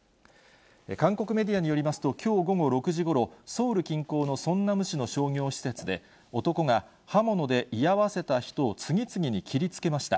韓国メディアによりますと、きょう午後６時ごろ、ソウル近郊のソンナム市の商業施設で、男が刃物で居合わせた人を次々に切りつけました。